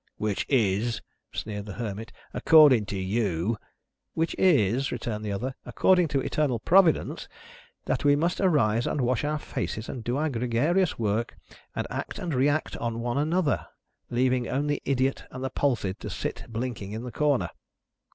"Which is," sneered the Hermit, "according to you " "Which is," returned the other, "according to Eternal Providence, that we must arise and wash our faces and do our gregarious work and act and re act on one another, leaving only the idiot and the palsied to sit blinking in the corner.